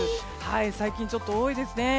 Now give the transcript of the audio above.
最近、ちょっと多いですね。